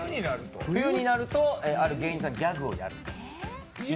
冬になるとある芸人さんのギャグをやる。